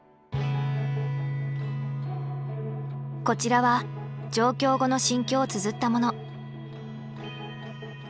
こちらは上京後の心境をつづったもの。